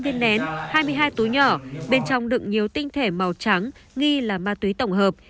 bốn mươi năm điện nén hai mươi hai túi nhỏ bên trong đựng nhiều tinh thể màu trắng ghi là ma túy tổng hợp